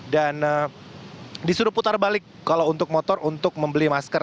dan disuruh putar balik kalau untuk motor untuk membeli masker